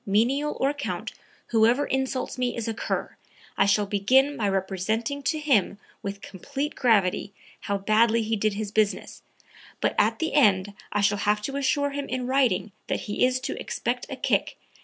Menial or count, whoever insults me is a cur. I shall begin by representing to him, with complete gravity, how badly he did his business, but at the end I shall have to assure him in writing that he is to expect a kick...